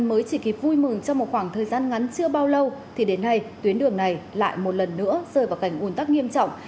mới chỉ kịp vui mừng trong một khoảng thời gian ngắn chưa bao lâu thì đến nay tuyến đường này lại một lần nữa rơi vào cảnh un tắc nghiêm trọng